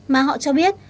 mà họ cho biết